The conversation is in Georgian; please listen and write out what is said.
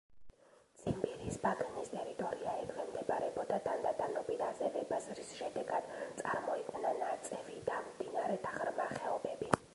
ციმბირის ბაქნის ტერიტორია ექვემდებარებოდა თანდათანობით აზევებას, რის შედეგად წარმოიქმნა ნაწევი და მდინარეთა ღრმა ხეობები.